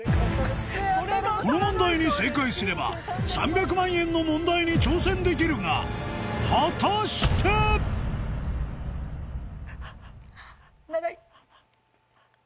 この問題に正解すれば３００万円の問題に挑戦できるが果たして⁉長い！